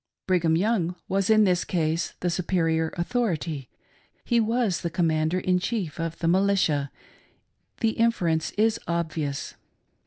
Brigham Young was in this case the superior authority — he was the Commander in Chief of the Militia :— the inference is obvious.